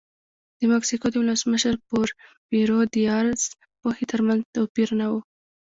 د مکسیکو د ولسمشر پورفیرو دیاز پوهې ترمنځ توپیر نه و.